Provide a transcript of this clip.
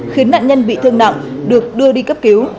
khiến nạn nhân bị thương nặng được đưa đi cấp cứu